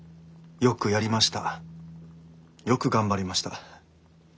よくやりました！